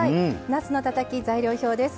なすのたたき材料表です。